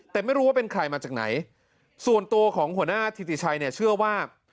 แต่ไม่รู้ว่าเป็นใครมาจากไหนส่วนตัวของหัวหน้าธิติชัยเนี่ยเชื่อว่า